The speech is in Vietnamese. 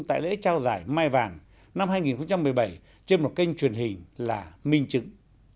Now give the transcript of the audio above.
tại lễ trao giải mai vàng năm hai nghìn một mươi bảy trên một kênh truyền hình là minh chứng